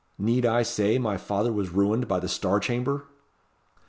Need I say my father was ruined by the Star Chamber?"